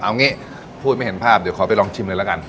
เอางี้พูดไม่เห็นภาพเดี๋ยวขอไปลองชิมเลยละกัน